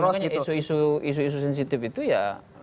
makanya isu isu sensitif itu ya